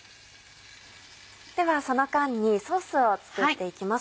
ではその間にソースを作っていきます。